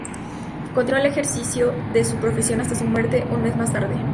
Continuó el ejercicio de su profesión hasta su muerte, un mes más tarde.